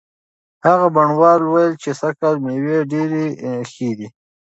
هغه بڼوال وویل چې سږکال مېوې ډېرې ښې دي.